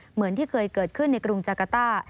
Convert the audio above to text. เหมือนที่เคยเกิดขึ้นในกรุงจากาต้า